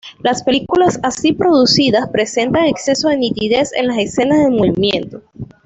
Las películas así producidas presentan exceso de nitidez en las escenas de movimiento.